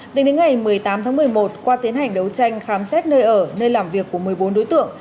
tính đến ngày một mươi tám tháng một mươi một qua tiến hành đấu tranh khám xét nơi ở nơi làm việc của một mươi bốn đối tượng